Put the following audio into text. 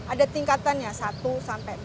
ada tingkatannya satu sampai empat